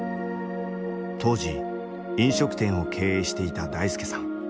当時飲食店を経営していた大輔さん。